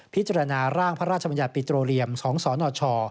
พิจารณาร่างพระราชบัญญัติปิโตเรียมของสนช